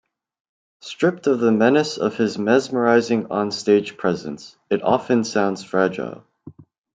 Stripped of the menace of his mesmerising onstage presence, it often sounds fragile.